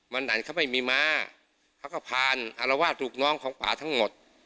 มันดันเขาไม่มีม้าเขาก็ผ่านอารวาสถูกน้องของป่าทั้งหมด